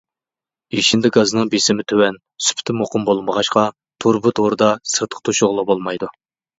ئېشىندى گازنىڭ بېسىمى تۆۋەن، سۈپىتى مۇقىم بولمىغاچقا، تۇرۇبا تورىدا سىرتقا توشۇغىلى بولمايدۇ.